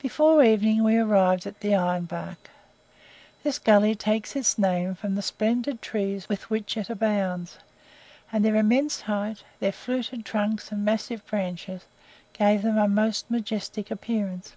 Before evening we arrived at the Iron Bark. This gully takes its name from the splendid trees with which it abounds; and their immense height, their fluted trunks and massive branches gave them a most majestic appearance.